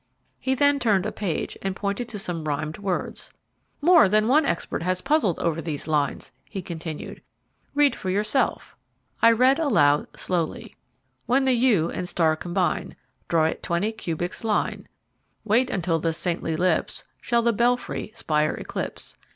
He then turned a page, and pointed to some rhymed words. "More than one expert has puzzled over these lines," he continued. "Read for yourself." I read aloud slowly: When the Yew and Star combine. Draw it twenty cubits line; Wait until the saintly lips Shall the belfry spire eclipse.